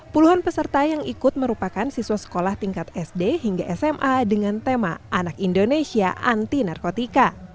puluhan peserta yang ikut merupakan siswa sekolah tingkat sd hingga sma dengan tema anak indonesia anti narkotika